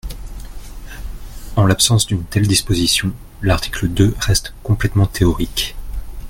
En l’absence d’une telle disposition, l’article deux reste complètement théorique.